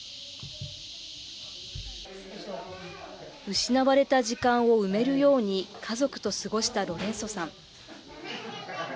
失われた時間を埋めるように、家族と過ごしたロレンソさん。